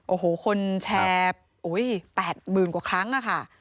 โอ้โหคนแชร์๘หมื่นกว่าครั้งค่ะค่ะ